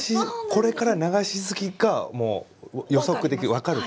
これから流しすきが予測できる分かると。